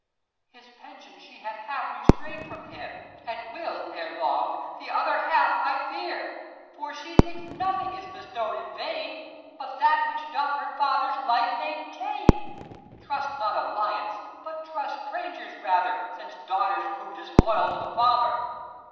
f His pension she hath half restrain'd from him, 20 And will, ere long, the other half, I fear ; For she thinks nothing is bestowed in vain, 32 KING LEIR AND [ ACT III But that which doth her father's life maintain. Trust not alliance ; but trust strangers rather, Since daughters prove disloyal to the father.